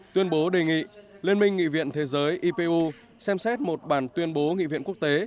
tuyên bố đề nghị liên minh nghị viện thế giới ipu xem xét một bản tuyên bố nghị viện quốc tế